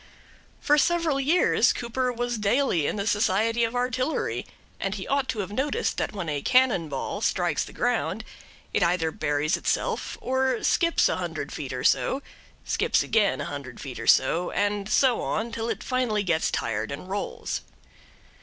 For several years Cooper was daily in the society of artillery, and he ought to have noticed that when a cannon ball strikes the ground it either buries itself or skips a hundred feet or so; skips again a hundred feet or so and so on, till finally it gets tired and rolls.